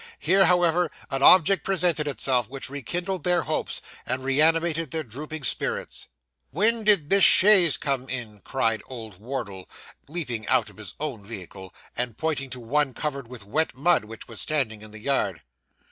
Here, however, an object presented itself, which rekindled their hopes, and reanimated their drooping spirits. 'When did this chaise come in?' cried old Wardle, leaping out of his own vehicle, and pointing to one covered with wet mud, which was standing in the yard.